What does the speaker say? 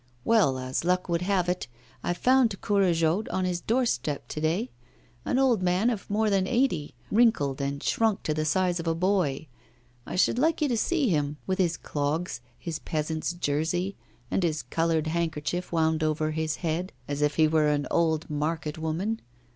'Well, as luck would have it, I found Courajod on his doorstep to day. An old man of more than eighty, wrinkled and shrunk to the size of a boy. I should like you to see him, with his clogs, his peasant's jersey and his coloured handkerchief wound over his head as if he were an old market woman.